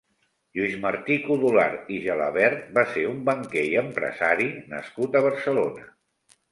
Lluís Martí-Codolar i Gelabert va ser un banquer i empresari nascut a Barcelona.